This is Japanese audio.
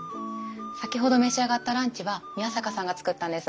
先ほど召し上がったランチは宮坂さんが作ったんです。